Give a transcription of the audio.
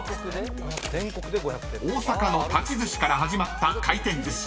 ［大阪の立ちずしから始まった回転寿司］